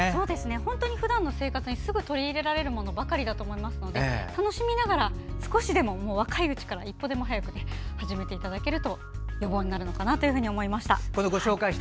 本当にふだんの生活にすぐ取り入れられるものばかりなので楽しみながら少しでも若いうちから１個でも早く始めていただけると予防になるのかなと思いました。